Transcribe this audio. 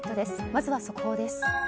まずは速報です。